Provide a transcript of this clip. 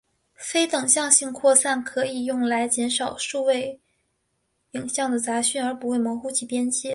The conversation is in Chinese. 非等向性扩散可以用来减少数位影像的杂讯而不会模糊其边界。